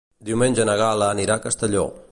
Diumenge na Gal·la anirà a Castelló.